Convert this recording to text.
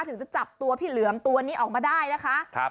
ถึงจะจับตัวพี่เหลือมตัวนี้ออกมาได้นะคะ